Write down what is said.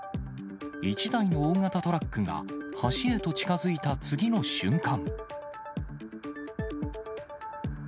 １台の大型トラックが橋へと近づいた次の瞬間。